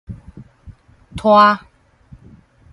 拖